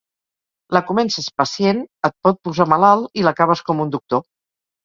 La comences pacient, et pot posar malalt i l'acabes com un doctor.